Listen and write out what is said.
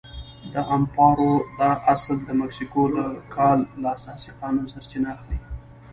د امپارو دا اصل د مکسیکو له کال له اساسي قانون سرچینه اخلي.